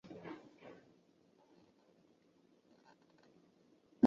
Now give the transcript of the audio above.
完全理性的人是完全的个人主义者。